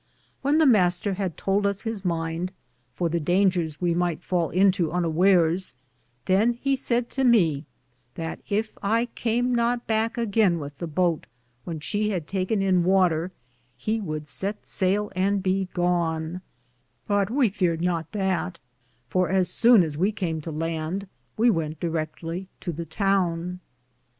^ When the Mr. had tould us his mynde, for the Daingeres we myghte fale into unawares, than he sayd to me that yf I cam not backe againe with the boat when she had taken in water, he would sett sayle and be gone ; but we feared not that, for as sowne as we came to lande, we wente direcktly to the towne.